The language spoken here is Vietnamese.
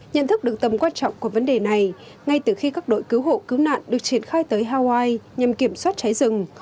nhận thức được tầm quan trọng của vấn đề này ngay từ khi các đội cứu hộ cứu nạn được triển khai tới hawaii nhằm kiểm soát cháy rừng